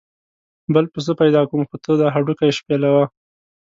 بل پسه پیدا کوم خو ته دا هډوکي شپېلوه.